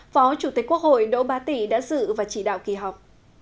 phó chủ tịch quốc hội đỗ bá tị đã dự và chỉ đạo kỳ họp